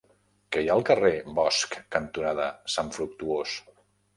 Què hi ha al carrer Bosch cantonada Sant Fructuós?